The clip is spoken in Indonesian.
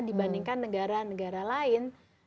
dibandingkan negara negara lain